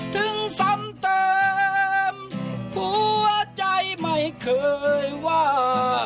ถึงซ้ำเติมหัวใจไม่เคยว่า